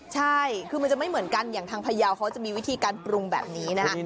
ใช่คือมันจะไม่เหมือนกันอย่างทางพยาวเขาจะมีวิธีการปรุงแบบนี้นะคะ